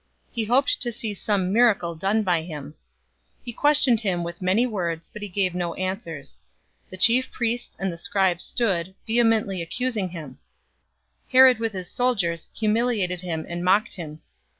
He hoped to see some miracle done by him. 023:009 He questioned him with many words, but he gave no answers. 023:010 The chief priests and the scribes stood, vehemently accusing him. 023:011 Herod with his soldiers humiliated him and mocked him.